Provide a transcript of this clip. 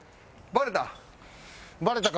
バレた？